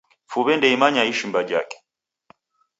Fuw'e nde imanya ishimba jhake.